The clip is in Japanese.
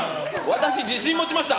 私、自信持ちました。